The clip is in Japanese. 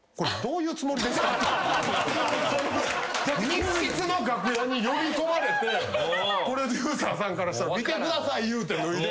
密室の楽屋に呼び込まれてプロデューサーさんからしたら「見てください」言うて脱いで。